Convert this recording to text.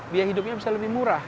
biaya hidupnya bisa lebih murah